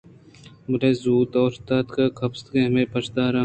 بلے زُوت اوشتات کہ کپیس ءَ ہمے پیشداراں